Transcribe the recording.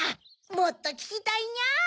もっとききたいニャ！